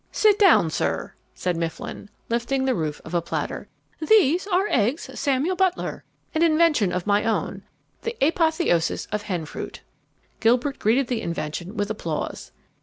"Sit down, sir," said Mifflin, lifting the roof of a platter. "These are eggs Samuel Butler, an invention of my own, the apotheosis of hen fruit." Gilbert greeted the invention with applause.